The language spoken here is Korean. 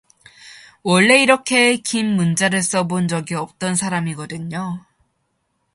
원래 이렇게 긴 문자를 써 본 적이 없던 사람이거든요.